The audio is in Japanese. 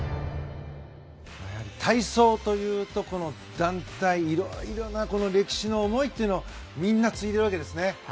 体操というと、団体いろいろな歴史の思いというのをみんな継いでいるわけですね。